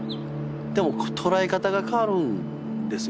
でも捉え方が変わるんですよ